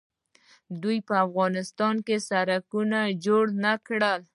آیا دوی په افغانستان کې سړکونه جوړ نه کړل؟